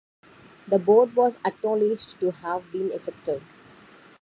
The board was acknowledged to have been effective.